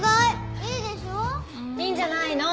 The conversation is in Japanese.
いいんじゃないの？